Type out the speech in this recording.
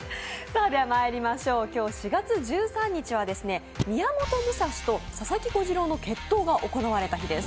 今日４月１３日は宮本武蔵と佐々木小次郎の決闘が行われた日です。